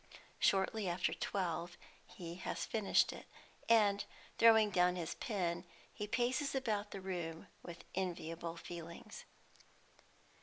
Shortly after twelve he has finished it, and, throwing down his pen, he paces about the room with enviable feelings.